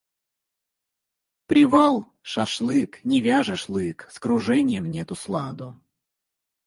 Привал, шашлык, не вяжешь лык, с кружением нету сладу.